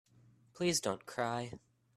Please don't cry.